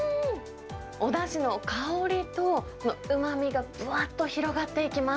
おだしの香りと、うまみがぶわっと広がっていきます。